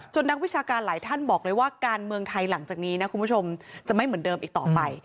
นักวิชาการหลายท่านบอกเลยว่าการเมืองไทยหลังจากนี้นะคุณผู้ชมจะไม่เหมือนเดิมอีกต่อไป